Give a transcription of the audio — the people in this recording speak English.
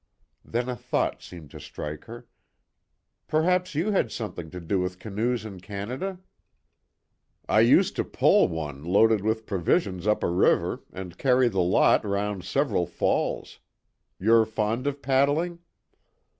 Then a thought seemed to strike her. "Perhaps you had something to do with canoes in Canada?" "I used to pole one loaded with provisions up a river, and carry the lot round several falls. You're fond of paddling."